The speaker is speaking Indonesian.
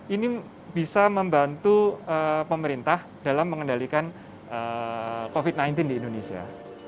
ini bisa membantu pemerintah dalam mengendalikan covid sembilan belas di indonesia